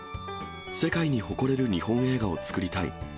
世界に誇れる日本映画を作りたい。